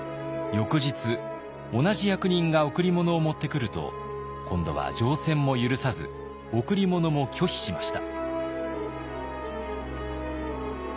翌日同じ役人が贈り物を持ってくると今度は乗船も許さず贈り物も拒否しました。